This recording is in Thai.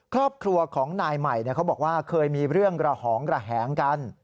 ครอบครัวของนายใหม่เขาบอกว่าเคยมีเรื่องระหองระแหงกัน